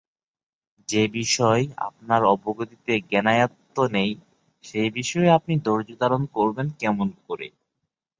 যে বিষয় আপনার অবগতিতে জ্ঞানায়ত্ত নেই, সে বিষয়ে আপনি ধৈর্যধারণ করবেন কেমন করে?